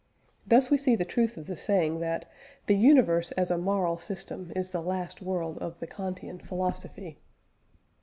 Thus we see the truth of the saying that "The universe as a moral system is the last word of the Kantian philosophy."